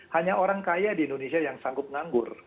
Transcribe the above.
hanya orang kaya di indonesia yang sanggup nganggur